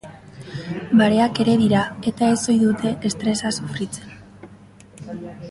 Bareak ere dira eta ez ohi dute estresa sufritzen.